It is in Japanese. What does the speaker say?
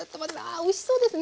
あおいしそうですね。